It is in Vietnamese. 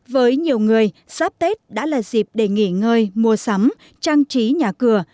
với nhiều người sắp tết đã là dịp để nghỉ ngơi mua sắm trang trí nhà cửa